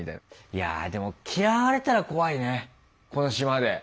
いやでも嫌われたら怖いねこの島で。